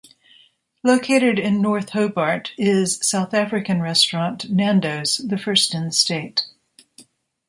Located in North Hobart is South African restaurant Nando's; the first in the state.